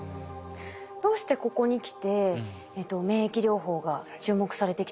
どうしてここにきて免疫療法が注目されてきたんですか？